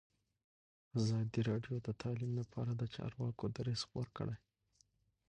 ازادي راډیو د تعلیم لپاره د چارواکو دریځ خپور کړی.